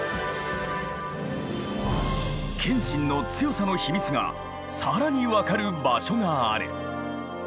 謙信の強さの秘密が更に分かる場所がある。